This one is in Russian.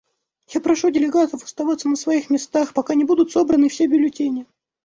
Я прошу делегатов оставаться на своих местах, пока не будут собраны все бюллетени.